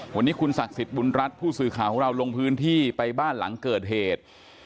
วันนี้คุณศักดิ์สิทธิ์บุญรัฐผู้สื่อข่าวของเราลงพื้นที่ไปบ้านหลังเกิดเหตุ